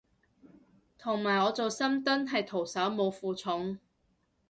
同埋我做深蹲係徒手冇負重